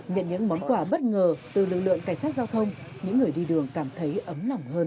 nhận những món quà bất ngờ từ lực lượng cảnh sát giao thông những người đi đường cảm thấy ấm lỏng hơn